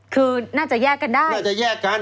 คือน่าจะแยกกันได้น่าจะแยกกัน